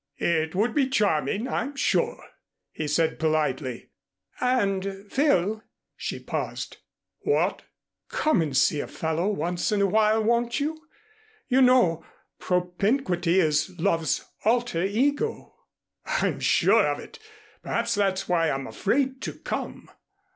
"It would be charming, I'm sure," he said politely. "And, Phil " She paused. "What?" "Come and see a fellow once in a while, won't you? You know, propinquity is love's alter ego." "I'm sure of it. Perhaps that's why I'm afraid to come."